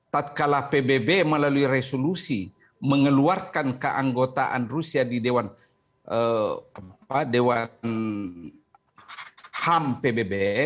tak kalah pbb melalui resolusi mengeluarkan keanggotaan rusia di dewan ham pbb